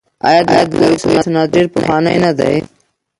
آیا د لرګیو صنعت ډیر پخوانی نه دی؟